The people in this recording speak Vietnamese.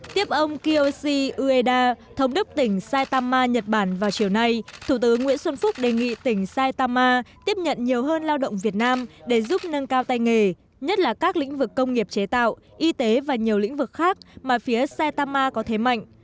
tiếp ông kiyoshi ueda thống đức tỉnh saitama nhật bản vào chiều nay thủ tướng nguyễn xuân phúc đề nghị tỉnh saitama tiếp nhận nhiều hơn lao động việt nam để giúp nâng cao tay nghề nhất là các lĩnh vực công nghiệp chế tạo y tế và nhiều lĩnh vực khác mà phía saitama có thế mạnh